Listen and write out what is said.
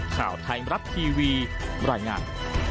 ข่าวไทยรับทีวีรายงาน